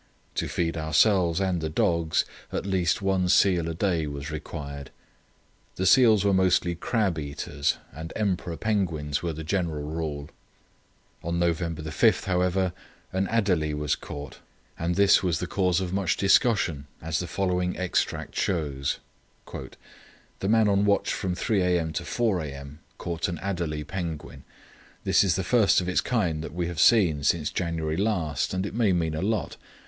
To feed ourselves and the dogs, at least one seal a day was required. The seals were mostly crab eaters, and emperor penguins were the general rule. On November 5, however, an adelie was caught, and this was the cause of much discussion, as the following extract shows: "The man on watch from 3 a.m. to 4 a.m. caught an adelie penguin. This is the first of its kind that we have seen since January last, and it may mean a lot.